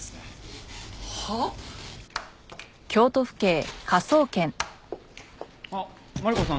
はあ？あっマリコさん